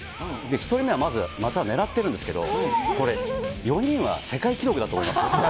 １人目はまず股を狙ってるんですけど、これ、４人は世界記録だと思いますよ。